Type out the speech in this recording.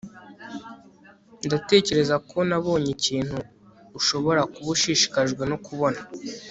ndatekereza ko nabonye ikintu ushobora kuba ushishikajwe no kubona